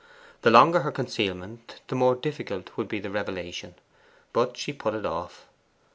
The longer her concealment the more difficult would be the revelation. But she put it off.